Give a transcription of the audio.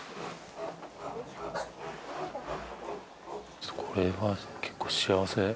ちょっとこれは結構幸せ？